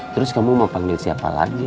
terus kamu mau panggil siapa lagi